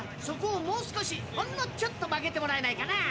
そこをもう少しほんのちょっとまけてもらえないかな。